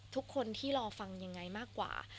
ทุกคนที่รอฟังยังไงมากกว่า